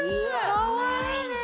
かわいいねー。